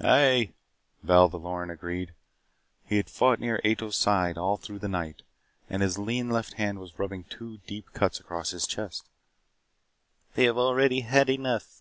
"Aye," Val the Loren agreed. He had fought near Ato's side all through the night, and his lean left hand was rubbing two deep cuts across his chest. "They have already had enough.